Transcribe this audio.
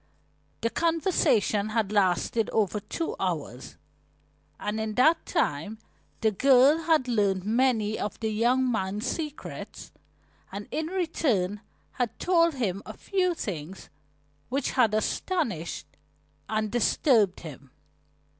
The conversation had lasted over two hours, and in that time the girl had learned many of the young man's secrets, and in return had told him a few things which had astonished and disturbed him.